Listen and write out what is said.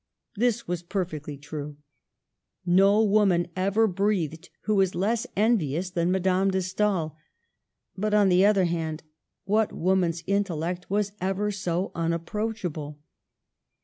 Th is was perfectly true. No woman ever breathed who was less envious than Madame de Stael ; but, on the other hand, what woman's intellect was ever so unapproachable